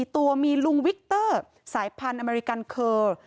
ตัวมีลุงวิกเตอร์สายพันธุ์อเมริกันเคอร์